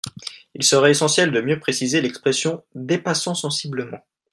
Il serait essentiel de mieux préciser l’expression « dépassant sensiblement ».